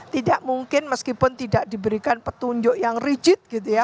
tidak mungkin meskipun tidak diberikan petunjuk yang rigid gitu ya